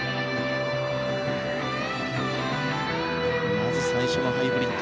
まず最初のハイブリッド。